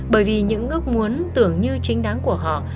bởi vì những ước muốn tưởng như chính đáng của họ